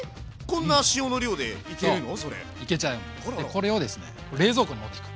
これをですね冷蔵庫に持っていく。